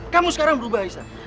kamu sekarang berubah aisyah